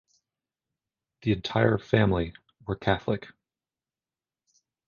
The entire family were Catholic.